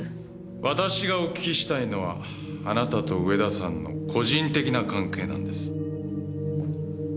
私がお聞きしたいのはあなたと上田さんの個人的な関係なんです。